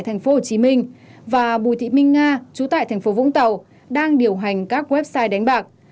thành phố hồ chí minh và bùi thị minh nga chú tại thành phố vũng tàu đang điều hành các website đánh bạc